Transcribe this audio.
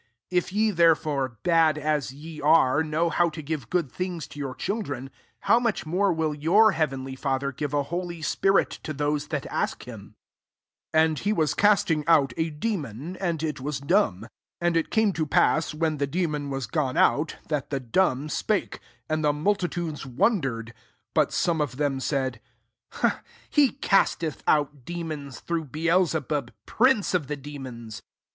13 If ye therefore, bad as pe are, know how to give good things to your children, how much more will yosr heavenly Father give a holy spirit to those that ask him ?" 14 AiTB . he was ca^ng out a deaftOD, and it wiur dumb* And it euBe: ta paasy when the d&* DMA was gone out> that the ikmb spake s vtA the multi * tiideft waBdered». IS But some o£ them; said) He casteth out deraona through Beelsebub, pnnceoftbedemona."